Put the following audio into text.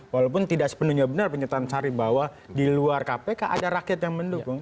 walaupun tidak sepenuhnya benar penyertaan syarif bahwa di luar kpk ada rakyat yang mendukung